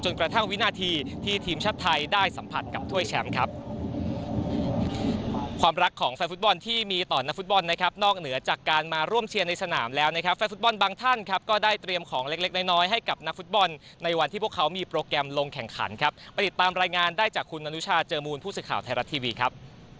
กระทั่งวินาทีที่ทีมชาติไทยได้สัมผัสกับถ้วยแชมป์ครับ